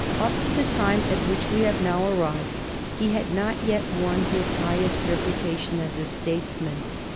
Up to the time at which we have now arrived, he had not yet won his highest reputation as a statesman.